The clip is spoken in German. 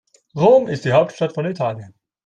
Rom ist die Hauptstadt von Italien.